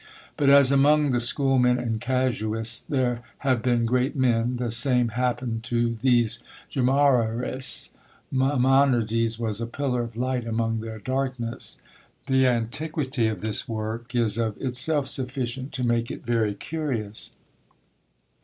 But as among the schoolmen and casuists there have been great men, the same happened to these Gemaraists. Maimonides was a pillar of light among their darkness. The antiquity of this work is of itself sufficient to make it very curious.